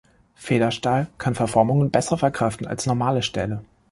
Federstahl kann Verformungen besser verkraften, als normale Stähle.